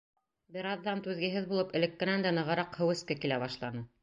Бер аҙҙан түҙгеһеҙ булып элеккенән дә нығыраҡ һыу эске килә башланы.